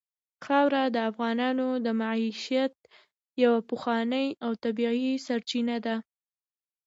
خاوره د افغانانو د معیشت یوه پخوانۍ او طبیعي سرچینه ده.